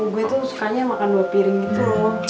gue tuh sukanya makan dua piring gitu loh